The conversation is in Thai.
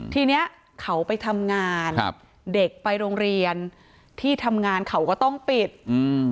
ทีเนี้ยเขาไปทำงานครับเด็กไปโรงเรียนที่ทำงานเขาก็ต้องปิดอืม